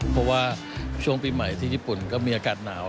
เพราะว่าช่วงปีใหม่ที่ญี่ปุ่นก็มีอากาศหนาว